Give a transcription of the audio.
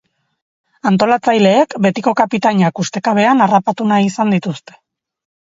Antolatzaileek, betiko kapitainak ustekabean harrapatu nahi izan dituzte.